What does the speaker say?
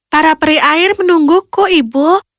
para peri air menungguku ibu